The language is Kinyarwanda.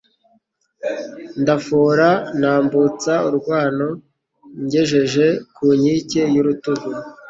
ndafora ntambutsa urwano, ngejeje ku nkike y'urutugu,